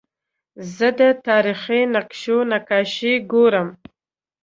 زه د تاریخي نقشو نقاشي ګورم.